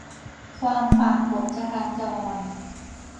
ความฝ่ากฎจราจร